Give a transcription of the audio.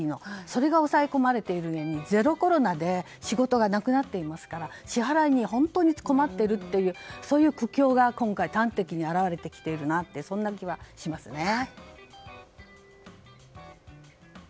それが抑え込まれているうえゼロコロナで仕事がなくなっていますから支払いに本当に困っているという苦境が今回、端的に表れてきているなというそんな気がしますね。